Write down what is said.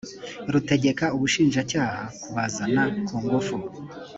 rutegeka ubushinjacyaha kubazana ku ngufu